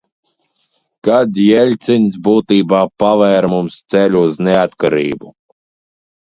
Kad Jeļcins būtībā pavēra mums ceļu uz neatkarību.